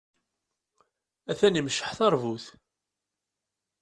Atan imecceḥ tarbut.